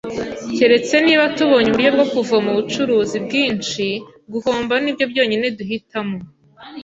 Keretse niba tubonye uburyo bwo kuvoma ubucuruzi bwinshi, guhomba nibyo byonyine duhitamo.